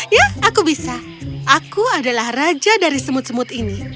ya aku bisa aku adalah raja dari semut semut ini